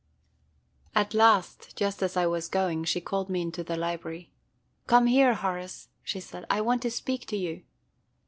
At last, just as I was going, she called me into the library. "Come here, Horace," she said; "I want to speak to you."